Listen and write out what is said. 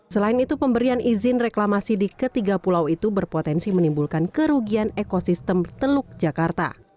selain itu pemberian izin reklamasi di ketiga pulau itu berpotensi menimbulkan kerugian ekosistem teluk jakarta